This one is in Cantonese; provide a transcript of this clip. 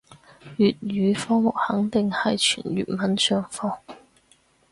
粵語科目肯定係全粵文上課